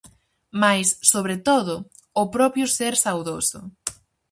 Mais, sobre todo, o propio ser saudoso.